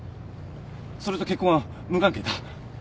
それと結婚は無関係だ。